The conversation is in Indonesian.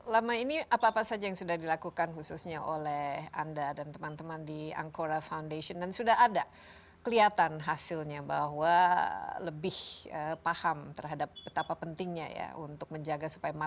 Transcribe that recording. lama ini apa apa saja yang sudah dilakukan khususnya oleh anda dan teman teman di ancora foundation dan sudah ada kelihatan hasilnya bahwa lebih paham terhadap betapa pentingnya ya untuk menjaga supaya masyarakat